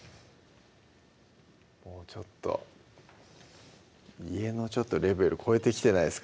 もうちょっと家のレベル超えてきてないっすか？